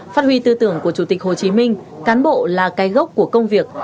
phát huy tư tưởng của chủ tịch hồ chí minh cán bộ là cái gốc của công việc